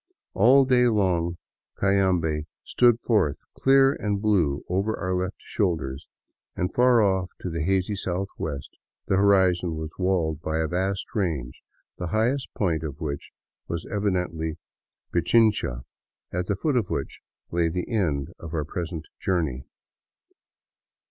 All day long Cayambe stood forth clear and blue over our left shoulders, and far off to the hazy southwest the horizon was walled by a vast range, the highest point of which was evidently Pichincha, at the foot of which lay the end of our pres ent journey.